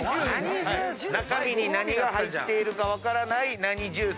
中身に何が入っているか分からないナニジュース。